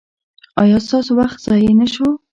ایا ستاسو وخت ضایع نه شو؟